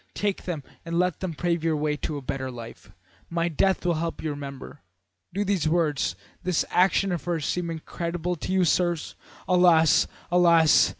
Take them and let them pave your way to a better life. My death will help you to remember.' Do these words, this action of hers, seem incredible to you, sirs? Alas! alas!